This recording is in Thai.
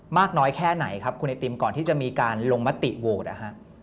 มากน้อยแค่ไหนครับคุณไอติมก่อนที่จะมีการลงมติโหวตนะฮะ